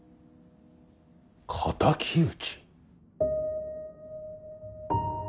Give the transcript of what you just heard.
敵討ち。